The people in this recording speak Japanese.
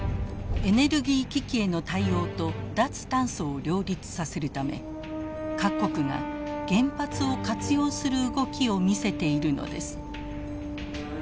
エネルギー危機への対応と脱炭素を両立させるため各国が原発を活用する動きを見せているのです。